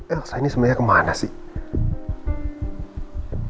elsa ini sebenernya kemana sih